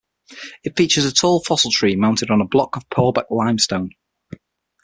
It features a tall fossil tree trunk mounted on a block of Purbeck limestone.